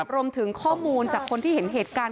รวมถึงข้อมูลจากคนที่เห็นเหตุการณ์